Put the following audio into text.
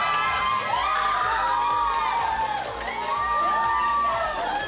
すごい！